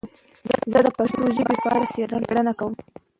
زه د پښتو ژبې په اړه څېړنه کوم.